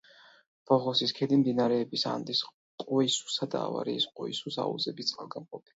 ბოღოსის ქედი მდინარეების ანდის ყოისუსა და ავარიის ყოისუს აუზების წყალგამყოფია.